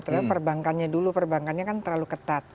ternyata perbankannya dulu terlalu ketat